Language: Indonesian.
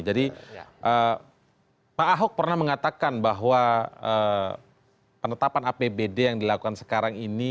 jadi pak ahok pernah mengatakan bahwa penetapan apbd yang dilakukan sekarang ini